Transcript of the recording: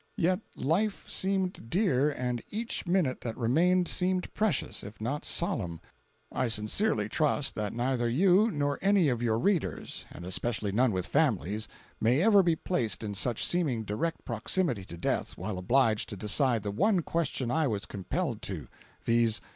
Yet life seemed dear and each minute that remained seemed precious if not solemn. I sincerely trust that neither you nor any of your readers, and especially none with families, may ever be placed in such seeming direct proximity to death while obliged to decide the one question I was compelled to, viz.